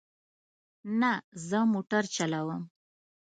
نه، زه موټر چلوم